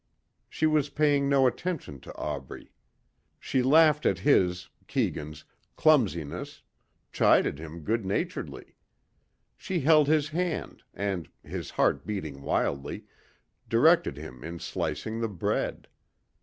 She was paying no attention to Aubrey. She laughed at his, Keegan's, clumsiness, chided him good naturedly. She held his hand and, his heart beating wildly, directed him in slicing the bread.